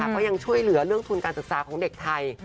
ก็ยังช่วยเหลือเรื่องทุนการศึกษาของเด็กไทย